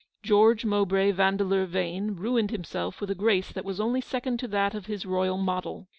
George Mowbray Vandeleur Yane ruined him self with a grace that was only second to that of his royal model.